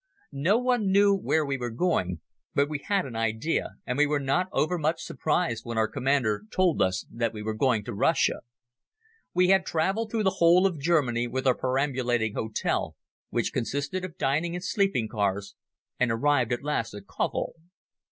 No one knew where we were going, but we had an idea and we were not over much surprised when our Commander told us that we were going to Russia. We had traveled through the whole of Germany with our perambulating hotel which consisted of dining and sleeping cars, and arrived at last at Kovel.